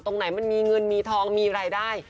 ตรงไหนมันมีเงินมีทองมีรายได้